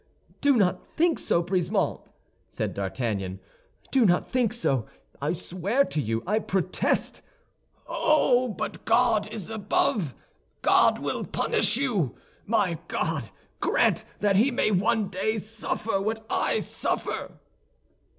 "Do not think so, Brisemont," said D'Artagnan; "do not think so. I swear to you, I protest—" "Oh, but God is above! God will punish you! My God, grant that he may one day suffer what I suffer!"